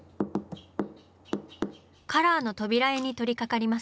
カラーの扉絵に取りかかります。